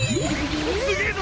すげえぞ！